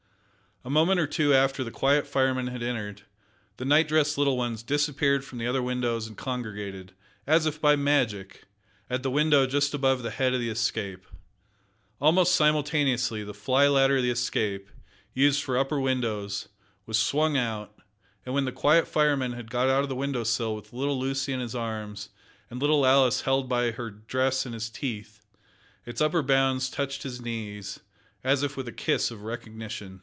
A moment or two after the quiet fireman had entered, the night dressed little ones disappeared from the other windows and congregated, as if by magic, at the window just above the head of the Escape. Almost simultaneously the fly ladder of the Escape used for upper windows was swung out, and when the quiet fireman had got out on the window sill with little Lucy in his arms and little Alice held by her dress in his teeth, its upper rounds touched his knees, as if with a kiss of recognition!